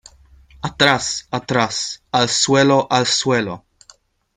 ¡ Atrás! ¡ atrás !¡ al suelo !¡ al suelo !